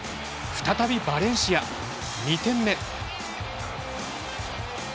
再びバレンシア、２点目。